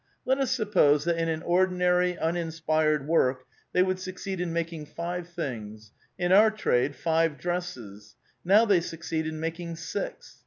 Let us suppose that in an ordinary, uninspired work they would succeed in making five things — in our trade, five dresses ; now they succeed in making six.